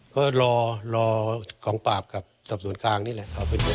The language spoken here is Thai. ก็รอของปากกับสอบสวนกลางนี่แหละ